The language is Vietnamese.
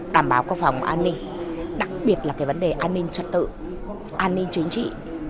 đảm bảo các phòng an ninh đặc biệt là cái vấn đề an ninh trật tự an ninh chính trị